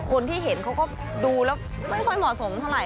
คนที่เห็นเขาก็ดูแล้วไม่ค่อยเหมาะสมเท่าไห